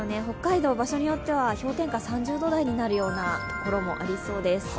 北海道は場所によっては氷点下３０度台になるところもありそうです。